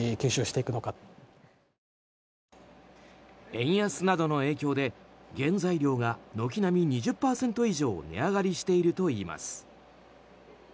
円安などの影響で原材料が軒並み２０％以上値上がりしているといいます。